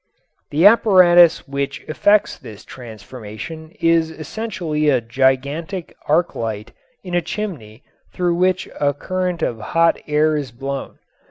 The apparatus which effects this transformation is essentially a gigantic arc light in a chimney through which a current of hot air is blown.